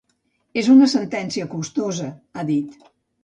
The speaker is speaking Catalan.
És una sentència costosa, ha dit.